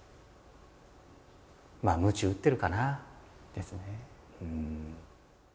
まあむち打ってるかな。ですよね。